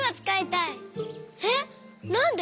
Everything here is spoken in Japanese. えっなんで？